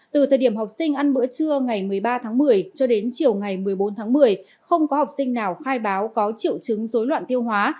từ thời điểm học sinh ăn bữa trưa ngày một mươi ba tháng một mươi cho đến chiều ngày một mươi bốn tháng một mươi không có học sinh nào khai báo có triệu chứng dối loạn tiêu hóa